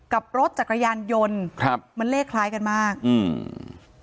กับรถจักรยานยนต์ครับมันเลขคล้ายกันมากอืม